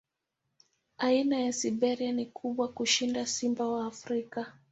Aina ya Siberia ni kubwa kushinda simba wa Afrika.